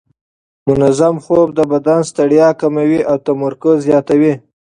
منظم خوب د بدن ستړیا کموي او تمرکز زیاتوي.